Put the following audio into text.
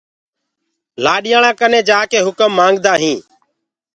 لآڏياݪآنٚ ڪني جآڪي هُڪم مآنگدآ هينٚ۔